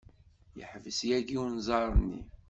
Yeḥbes yagi unẓar-nni.